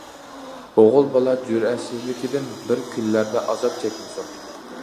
ئوغۇل بالا جۈرئەتسىزلىكىدىن، بىر كۈنلەردە ئازاب چەكمىسۇن.